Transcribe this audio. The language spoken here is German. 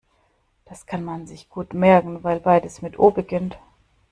Das kann man sich gut merken, weil beides mit O beginnt.